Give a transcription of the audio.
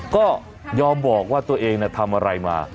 ก็ยอมบอกว่าตัวเองทำอะไรมา